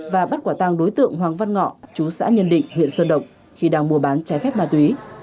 và bắt quả tăng đối tượng hoàng văn ngọ chú xã nhân định huyện sơn động khi đang mua bán trái phép ma túy